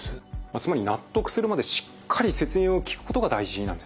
つまり納得するまでしっかり説明を聞くことが大事なんですね。